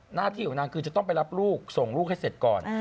หน้าที่ของนางคือจะต้องไปรับลูกส่งลูกให้เสร็จก่อน